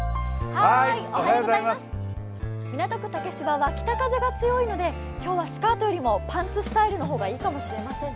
港区竹芝は北風が強いので今日はスカートよりもパンツスタイルの方がいいかもしれません。